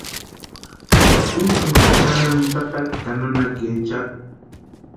¿Úsïnksï chʼanani tataka ka nanakaecha?